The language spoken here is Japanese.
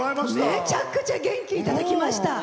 めちゃくちゃ元気いただきました。